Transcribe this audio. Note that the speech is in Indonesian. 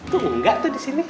tuh enggak tuh di sini